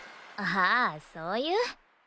ああそういう。